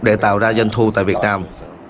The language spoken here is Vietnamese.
để tạo ra doanh thu tại việt nam